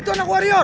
itu anak warior